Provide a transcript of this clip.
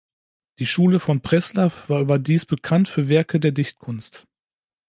Die Schule von Preslaw war überdies bekannt für Werke der Dichtkunst.